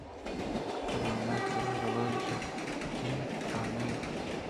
کلام ءِ کِرّا روگ ءِ یکیں راہ نہ اِنت